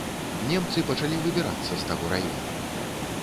Немцы пачалі выбірацца з таго раёна.